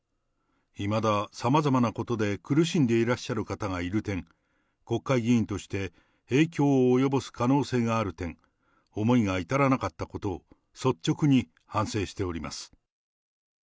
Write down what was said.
いまださまざまなことで苦しんでいらっしゃる方がいる点、国会議員として影響を及ぼす可能性がある点、思いが至らなかったことを率直に反省しております。